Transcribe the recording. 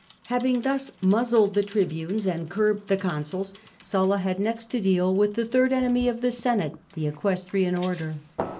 Having thus muzzled the tribunes and curbed the consuls, Sulla had next to deal with the third enemy of the Senate, the Equestrian Order.